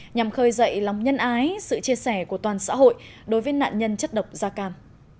nhằm khơi dậy lòng nhân ái sự chia sẻ của toàn xã hội đối với nạn nhân chất độc da cam